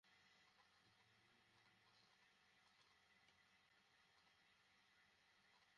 পত্রিকার গাড়িটি নিয়ন্ত্রণ হারিয়ে ট্রাকের পেছন দিক দিয়ে ভেতরে ঢুকে আটকে যায়।